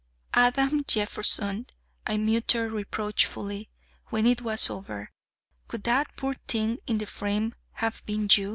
'Adam Jeffson,' I muttered reproachfully when it was over, 'could that poor thing in the frame have been you?'